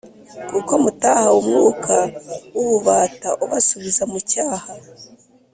Kuko mutahawe umwuka w’ ububata ubasubiza mucyaha